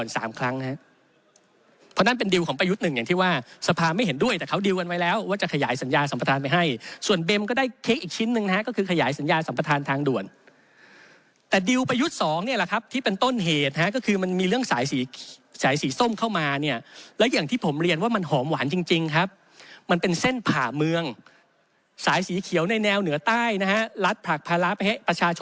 สามครั้งนะฮะเพราะนั่นเป็นดิวของประยุทธ์หนึ่งอย่างที่ว่าสภาไม่เห็นด้วยแต่เขาดิวกันไว้แล้วว่าจะขยายสัญญาสัมประทานไปให้ส่วนเบมก็ได้เค้กอีกชิ้นหนึ่งนะฮะก็คือขยายสัญญาสัมประทานทางด่วนแต่ดิวประยุทธ์สองเนี้ยล่ะครับที่เป็นต้นเหตุฮะก็คือมันมีเรื่องสายสีสายสีส้มเข้ามาเนี้ยแล